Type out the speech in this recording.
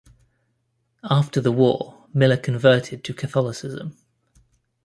After the war, Miller converted to Catholicism.